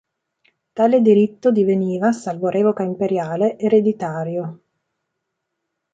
Tale diritto diveniva, salvo revoca imperiale, ereditario.